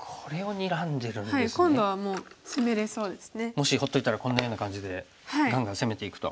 もし放っといたらこんなような感じでがんがん攻めていくと。